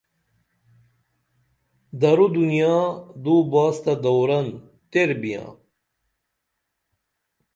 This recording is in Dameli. درو دنیا دو باس تہ دورن تیر بیاں